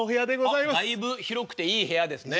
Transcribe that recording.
だいぶ広くていい部屋ですね。